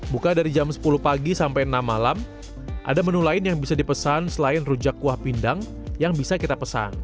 buka dari jam sepuluh pagi sampai enam malam ada menu lain yang bisa dipesan selain rujak kuah pindang yang bisa kita pesan